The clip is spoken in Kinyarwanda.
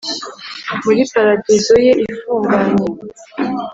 muri paradizo ye ifunganye.